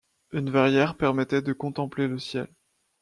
Une verrière permettait de contempler le ciel.